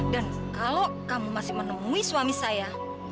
dan kalau kamu masih menemui suami saya